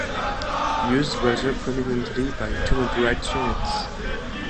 Used rather prominently by 'Tunnel Rat' units.